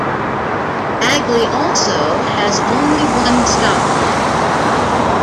Bagley also has only one stoplight.